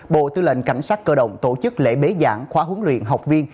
bộ tư lệnh cảnh sát cơ động tổ chức lễ bế giảng khóa huấn luyện học viên